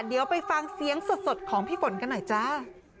เดี๋ยวไปฟังเสียงสดของพี่ฝนกันหน่อยจ้า